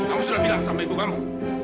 kamu sudah bilang sama ibu kamu